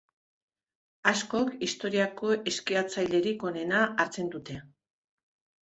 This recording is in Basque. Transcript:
Askok historiako eskiatzailerik onena hartzen dute.